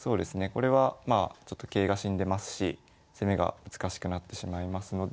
これはまあ桂が死んでますし攻めが難しくなってしまいますので。